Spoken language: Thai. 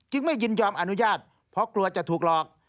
ไม่ยินยอมอนุญาตเพราะกลัวจะถูกหลอก